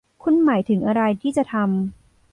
คุณหมายถึงอะไรที่จะทำ ?